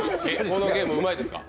このゲーム、うまいですか？